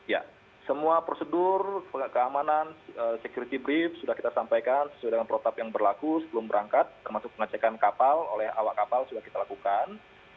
ya semua prosedur keamanan security brief sudah kita sampaikan sesuai dengan protap yang berlaku sebelum berangkat termasuk pengecekan kapal oleh awak kapal sudah kita lakukan